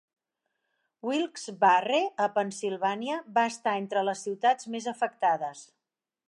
Wilkes-Barre, a Pennsilvània, va estar entre les ciutats més afectades.